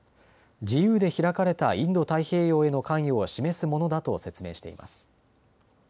自由で開かれたインド太平洋への関与を示すものだと説明しています。